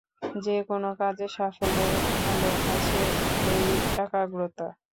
যে-কোন কাজে সাফল্যের মূলে আছে এই একাগ্রতা।